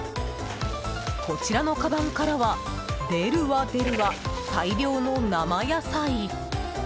こちらのかばんからは出るわ、出るわ、大量の生野菜。